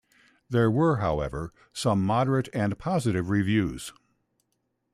There were, however, some moderate and positive reviews.